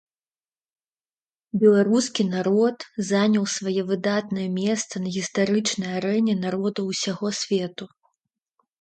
Беларускі народ заняў сваё выдатнае месца на гістарычнай арэне народаў усяго свету.